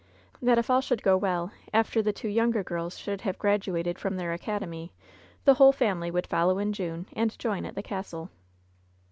That if all should go well, after the two younger girls should have graduated from their academy, the whole family would follow in June, and join at the castle.